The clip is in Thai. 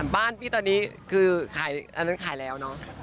บ้านพี่ตอนนี้คือขายอันนั้นขายแล้วเนอะ